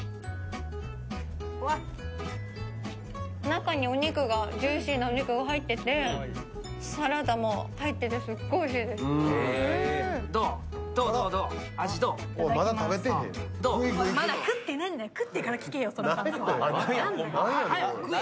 中にジューシーなお肉が入ってて、サラダも入っててすっごいおいしいです。